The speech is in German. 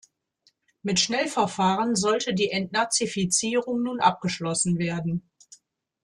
Mit Schnellverfahren sollte die Entnazifizierung nun abgeschlossen werden.